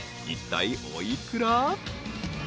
［いったいお幾ら？］